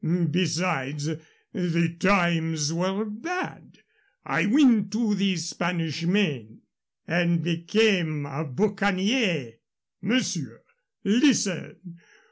Besides, the times were bad. I went to the Spanish Main " "And became a boucanier " "Monsieur, listen.